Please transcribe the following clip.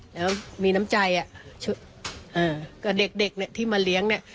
แล้วมีน้ำใจอ่ะก็เด็กเด็กเนี่ยที่มาเลี้ยงเนี่ย